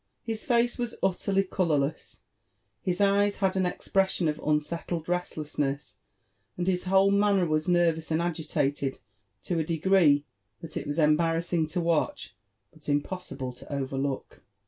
His face was utterly colourless, his eyes had an expres sion of unsettled restlessness, and his whole manner was nervous and agitated to a degree, that it was embarrassing to watch, but impossible to overlook.